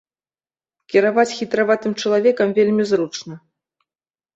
Кіраваць хітраватым чалавекам вельмі зручна.